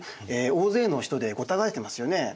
大勢の人でごった返してますよね。